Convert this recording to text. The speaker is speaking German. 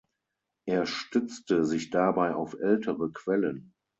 Er stützte sich dabei auf ältere Quellen.